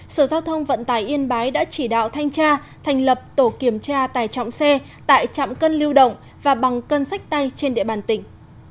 sở giao thông vận tải yên bái đã chỉ đạo thanh tra thành lập tổ kiểm tra tài trọng xe tại trạm cân lưu động và bằng cân sách tay trên địa bàn tỉnh